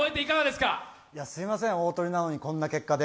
すいません、大トリなのにこんな結果で。